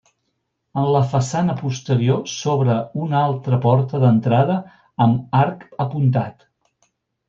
En la façana posterior s'obre una altra porta d'entrada amb arc apuntat.